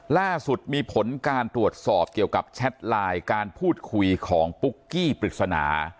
ล่าสุดมีผลการตรวจสอบเกี่ยวกับแชทไลน์การพูดคุยของปุ๊กกี้ปริศนา